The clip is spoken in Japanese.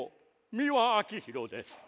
三輪明宏です。